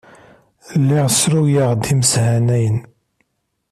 Lliɣ ssruyeɣ-d imeshanayen.